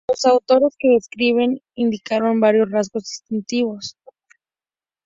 Los autores que describen indicaron varios rasgos distintivos.